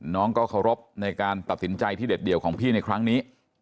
น้องก็เคารพในการตัดสินใจที่เด็ดเดี่ยวของพี่ในครั้งนี้